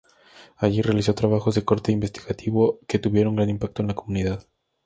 Allí realizó trabajos de corte investigativo que tuvieron gran impacto en la comunidad.